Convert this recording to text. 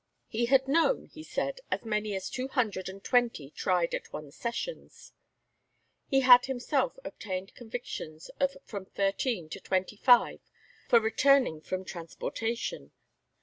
He had known, he said, as many as two hundred and twenty tried at one sessions. He had himself obtained convictions of from thirteen to twenty five for returning from transportation.